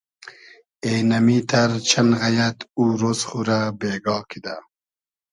اېنئمیتئر چئن غئیئد او رۉز خو رۂ بېگا کیدۂ